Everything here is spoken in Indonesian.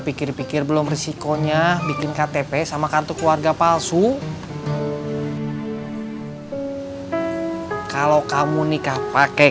pikir pikir belum risikonya bikin ktp sama kartu keluarga palsu kalau kamu nikah pakai